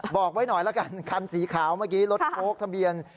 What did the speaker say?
บอกไว้หน่อยละกันคันสีขาวเมื่อกี้รถโค้กทะเบียน